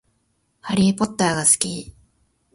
ハリーポッターが好き